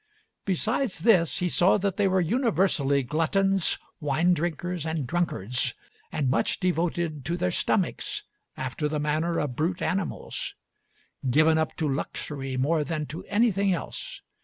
Besides this he saw that they were universally gluttons, wine drinkers, and drunkards, and much devoted to their stomachs after the manner of brute animals; given up to luxury more than to anything else.